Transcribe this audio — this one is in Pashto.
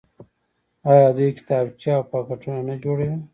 آیا دوی کتابچې او پاکټونه نه جوړوي؟